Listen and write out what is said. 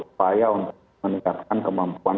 supaya untuk meningkatkan kemampuan